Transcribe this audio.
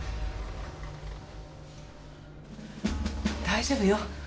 大丈夫よ。